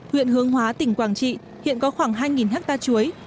huyện hướng hóa tỉnh quảng trị hiện có khoảng hai hectare chuối